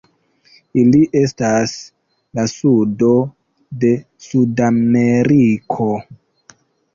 Ili estas la sudo de Sudameriko.